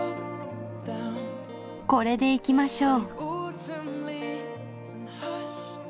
これでいきましょう。